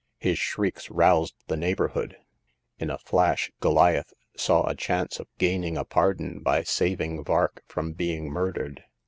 His shrieks roused the neighborhood. In a flash Goliath saw a chance of gaining a pardon by saving Vark from being murdered.